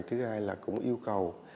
thứ hai là cũng yêu cầu